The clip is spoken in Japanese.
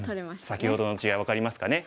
先ほどの違い分かりますかね。